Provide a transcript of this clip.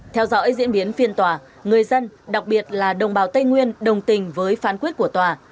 theo dõi diễn biến phiên tòa người dân đặc biệt là đồng bào tây nguyên đồng tình với phán quyết của tòa